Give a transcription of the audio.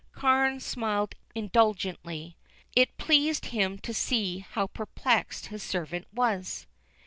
Carne smiled indulgently. It pleased him to see how perplexed his servant was.